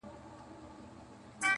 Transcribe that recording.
د ژوند له ټاله به لوېدلی یمه!.